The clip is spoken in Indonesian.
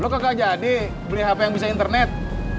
lo kakak jadi beli hp yang bisa internet